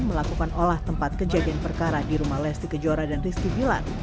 melakukan olah tempat kejadian perkara di rumah lesti kejora dan rizky bilar